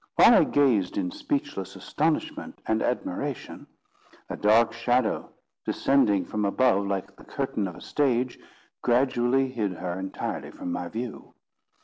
While I gazed in speechless astonishment and admiration, a dark shadow, descending from above like the curtain of a stage, gradually hid her entirely from my view.